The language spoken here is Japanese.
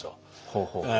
ほうほう。